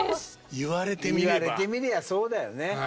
言われてみりゃそうだよね。